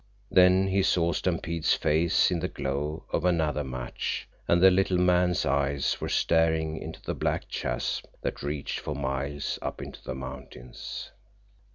Then he saw Stampede's face in the glow of another match, and the little man's eyes were staring into the black chasm that reached for miles up into the mountains.